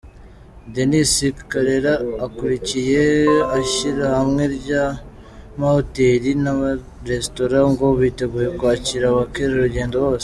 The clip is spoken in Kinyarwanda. Denis Karera ukuriye ishyirahamwe ry’amahoteli n’amarestora ngo biteguye kwakira abakerarugendo bose.